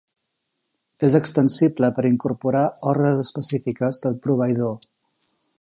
És extensible per incorporar ordres específiques del proveïdor.